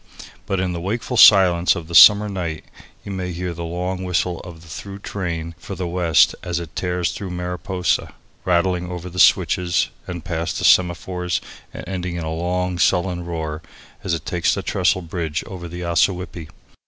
But in the wakeful silence of the summer night you may hear the long whistle of the through train for the west as it tears through Mariposa, rattling over the switches and past the semaphores and ending in a long, sullen roar as it takes the trestle bridge over the Ossawippi.